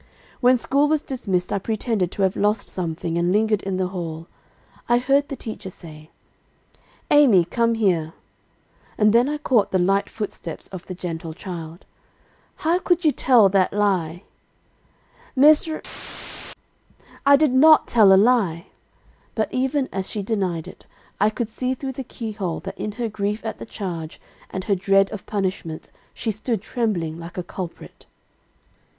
"When school was dismissed, I pretended to have lost something, and lingered in the hall. I heard the teacher say, "'Amy, come here,' and then I caught the light footsteps of the gentle child. "'How could you tell that lie?' "'Miss R I did not tell a lie,' but even as she denied it, I could see through the keyhole that in her grief at the charge, and her dread of punishment, she stood trembling like a culprit.